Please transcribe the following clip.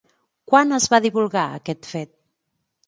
Quan es va divulgar aquest fet?